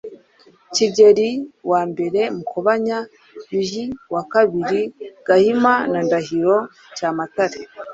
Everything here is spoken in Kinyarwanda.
Kigeli wambere Mukobanya, Yuhi wa kabiri Gahima na Ndahiro Cyamatare.